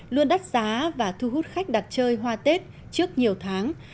luôn đắt giá và thu hút khách đặt chơi hoa tết trước nhiều tháng